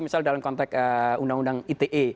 misalnya dalam konteks undang undang ite